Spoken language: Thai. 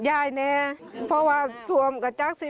ไองานต่างต่างบ้างนะครับ